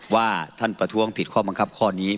ว่าท่านประท้วงผิดข้อบังคับข้อนี้